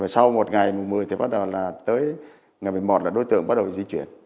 sau một ngày một mươi thì bắt đầu là tới ngày một mươi một là đối tượng bắt đầu di chuyển